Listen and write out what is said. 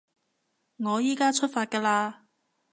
我依加出發㗎喇